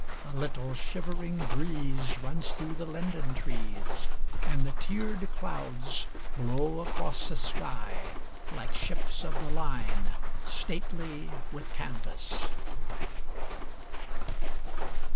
A little shivering breeze runs through the linden trees, and the tiered clouds blow across the sky like ships of the line, stately with canvas.